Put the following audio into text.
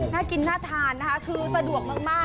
น่ากินน่าทานนะคะคือสะดวกมาก